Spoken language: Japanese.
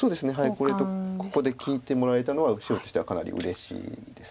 これとここで利いてもらえたのは白としてはかなりうれしいです。